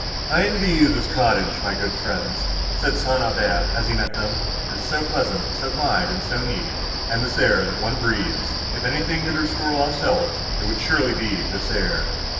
"I envy you this cottage, my good friends," said St. Aubert, as he met them, "it is so pleasant, so quiet, and so neat; and this air, that one breathes—if anything could restore lost health, it would surely be this air."